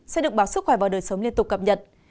sẽ được báo sức khỏe vào đời sớm liên tục cập nhật